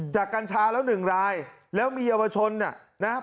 จากกัญชาแล้ว๑รายแล้วมีเยาวชนนะครับ